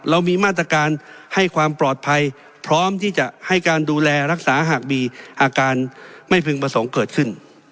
เรามีมาตรการให้ความปลอดภัยพร้อมที่จะให้การดูแลรักษาหากมีอาการไม่พึงประสงค์เกิดขึ้น